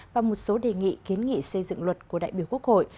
và một số đề nghị kiến nghị xây dựng luật của đại biểu quốc hội